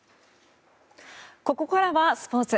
ここからはスポーツ。